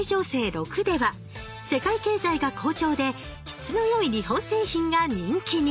６では「世界経済が好調で質の良い日本製品が人気に」。